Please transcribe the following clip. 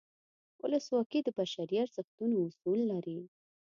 ولسواکي د بشري ارزښتونو اصول لري.